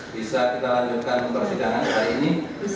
bisa kita lanjutkan persidangan hari ini